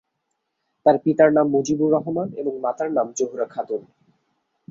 তার পিতার নাম মুজিবুর রহমান এবং মাতার নাম জোহরা খাতুন।